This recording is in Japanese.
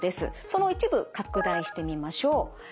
その一部拡大してみましょう。